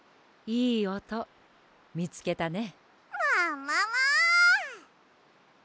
いいおとみつけたね。